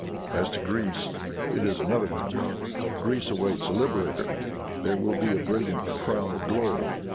"As to Greece it is another matter. Greece awaits a liberator. There will be a brilliant crown of glory.